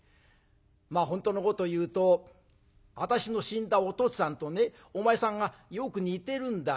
まあ本当のこと言うと私の死んだお父つぁんとねお前さんがよく似てるんだよ。